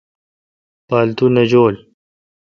پاتو نہ جولو۔